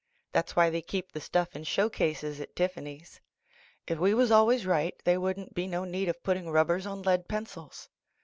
That's why they keep the stuff in show cases at Tiffany's. If we was always right, they wouldn't be no need of putting rub bers on lead pencils.